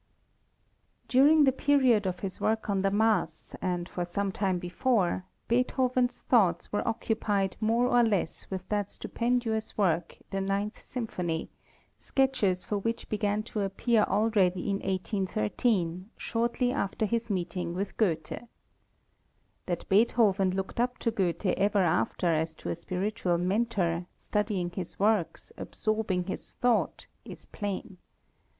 During the period of his work on the Mass, and for some time before, Beethoven's thoughts were occupied more or less with that stupendous work, the Ninth Symphony, sketches for which began to appear already in 1813, shortly after his meeting with Goethe. That Beethoven looked up to Goethe ever after as to a spiritual mentor, studying his works, absorbing his thought, is plain.